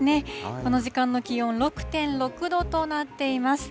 この時間の気温、６．６度となっています。